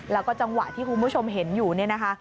แล้วก็จังหวะที่คุณผู้ชมเห็นอยู่เนี่ยนะคะ